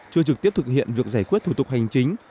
chưa trực tiếp thực hiện việc giải quyết thủ tục hành chính